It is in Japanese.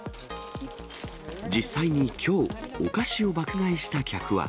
実際にきょう、お菓子を爆買いした客は。